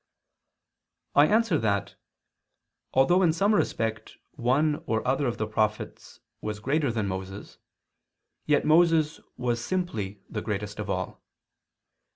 I answer that, Although in some respect one or other of the prophets was greater than Moses, yet Moses was simply the greatest of all.